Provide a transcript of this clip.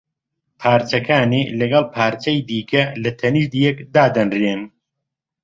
پارچەکانی لەگەڵ پارچەی دیکە لە تەنیشت یەک دادەنرێن